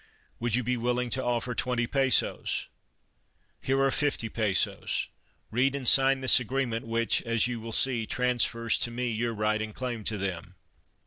Would you be willing to offer twenty pesos ?"" Here are fifty pesos. Read and sign this agreement, which, as you will see, trans fers to me your right and claim to them."